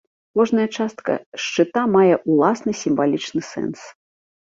Кожная частка шчыта мае ўласны сімвалічны сэнс.